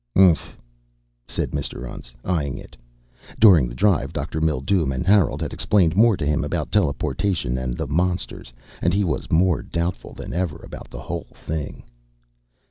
"Nph," said Mr. Untz, eyeing it. During the drive Dr. Mildume and Harold had explained more to him about teleportation and the monsters and he was more doubtful than ever about the whole thing.